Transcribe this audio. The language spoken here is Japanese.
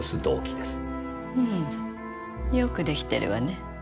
うんよく出来てるわね。